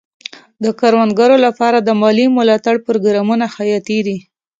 د کروندګرو لپاره د مالي ملاتړ پروګرامونه حیاتي دي.